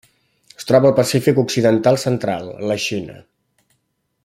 Es troba al Pacífic occidental central: la Xina.